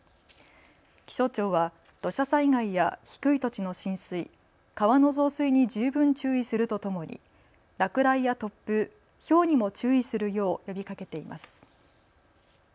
気象庁は土砂災害や低い土地の浸水、川の増水に十分注意するとともに落雷や突風、ひょうにも注意するよう呼びかけています。